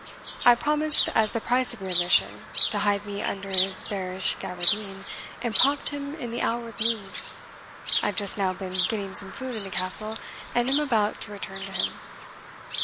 I promised, as the price of your admission, to hide me under his bearish gaberdine, and prompt him in the hour of need. I have just now been getting some food in the Castle, and am about to return to him."